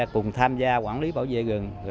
cùng tham gia quản lý bảo vệ rừng